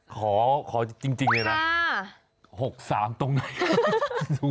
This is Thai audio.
ขอจริงเลยนะ๖๓ตรงไหน